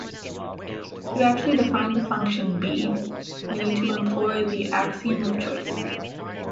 To actually define the function "b", we need to employ the axiom of choice.